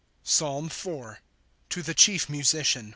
PSALM VI. To tho c^ief Musician.